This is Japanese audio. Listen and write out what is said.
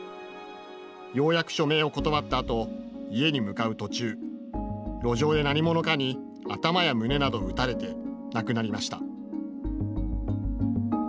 ようやく署名を断ったあと家に向かう途中路上で何者かに頭や胸などを撃たれて亡くなりました。